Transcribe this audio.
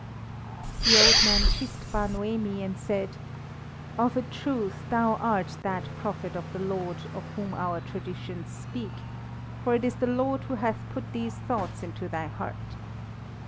The old man kissed Bar Noemi, and said: "Of a truth thou art that prophet of the Lord of whom our traditions speak, for it is the Lord who hath put these thoughts into thy heart.